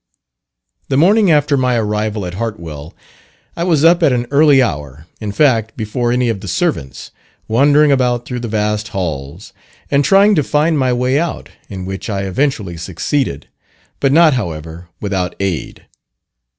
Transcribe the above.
The morning after my arrival at Hartwell I was up at an early hour in fact, before any of the servants wandering about through the vast halls, and trying to find my way out, in which I eventually succeeded, but not, however, without aid.